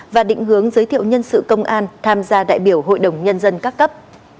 và định hướng giới thiệu nhân sự công an tham gia đại biểu hội đồng nhân dân các cấp